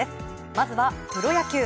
まずは、プロ野球。